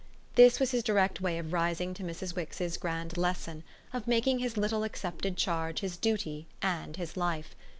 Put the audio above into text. This was his direct way of rising to Mrs. Wix's grand lesson of making his little accepted charge his duty and his life.